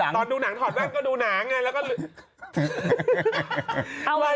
อ๋อนางน่ะตอนดูหนังถอดแว่นก็ดูหนังไงแล้วก็